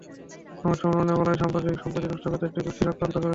সংবাদ সম্মেলনে বলা হয়, সাম্প্রদায়িক সম্প্রীতি নষ্ট করতে একটি গোষ্ঠী চক্রান্ত করছে।